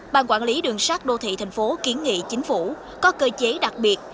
ban quản lý đường sát đô thị thành phố kiến nghị chính phủ có cơ chế đặc biệt